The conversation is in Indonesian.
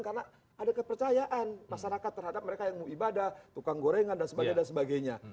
karena ada kepercayaan masyarakat terhadap mereka yang mau ibadah tukang gorengan dan sebagainya